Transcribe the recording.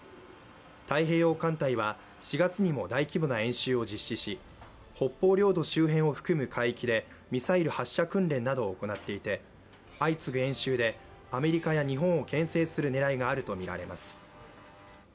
太平洋艦隊は４月にも大規模な演習を実施し北方領土周辺を含む海域でミサイル発射訓練などを行っていて相次ぐ演習でアメリカや日本をけん制する狙いがあるとみられます